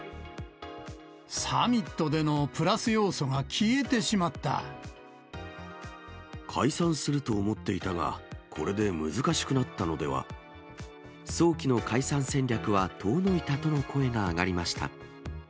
サミットでのプラス要素が消解散すると思っていたが、早期の解散戦略は遠のいたとの声が上がりました。